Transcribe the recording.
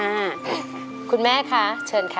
ค่ะคุณแม่ค่ะเชิญค่ะ